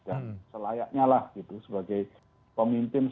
dan selayaknya lah gitu sebagai pemimpin